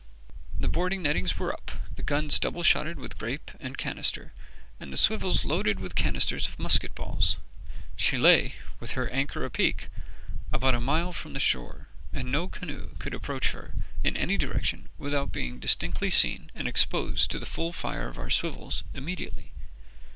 The boarding nettings were up, the guns double shotted with grape and canister, and the swivels loaded with canisters of musket balls. She lay, with her anchor apeak, about a mile from the shore, and no canoe could approach her in any direction without being distinctly seen and exposed to the full fire of our swivels immediately.